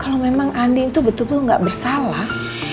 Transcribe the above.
kalau memang andin tuh betul tuh gak bersalah